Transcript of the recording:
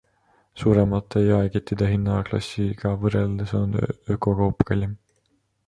Suuremate jaekettide hinnaklassiga võrreldes on ökokaup kallim.